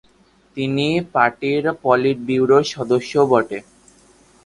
তিনি পার্টির পলিটব্যুরো সদস্যও বটে।